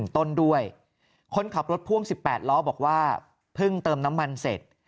ต้นด้วยคนขับรถพ่วง๑๘ล้อบอกว่าเพิ่งเติมน้ำมันเสร็จ